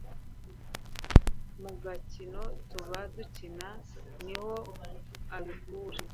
Mu gakino tuba dukina niho abikura